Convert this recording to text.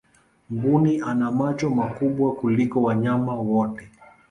mbuni ana macho makubwa kuliko wanyama wote